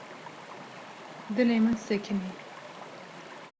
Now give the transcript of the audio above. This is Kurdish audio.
Dilê min sekinî.